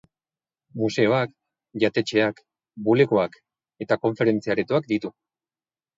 Museoak, jatetxeak, bulegoak eta konferentzia aretoak ditu.